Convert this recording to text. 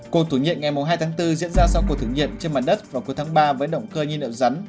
cuộc thử nghiệm ngày hai tháng bốn diễn ra sau cuộc thử nghiệm trên mặt đất vào cuối tháng ba với động cơ nhiên liệu rắn